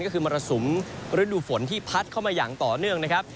ก็คือมรสุมฤดูฝนที่พัดเข้ามาอย่างต่อเนื่องนะครับ